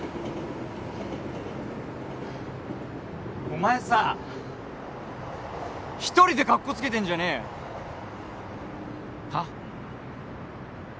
お前さ一人でかっこつけてんじゃねえよはっ？